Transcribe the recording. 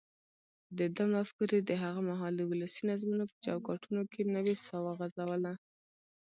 دده مفکورې د هغه مهال د ولسي نظمونو په چوکاټونو کې نوې ساه وغځوله.